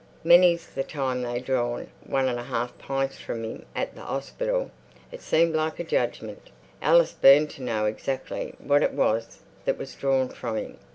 Many's the time they drawn one and a half pints from 'im at the 'ospital... It seemed like a judgmint." Alice burned to know exactly what it was that was drawn from him.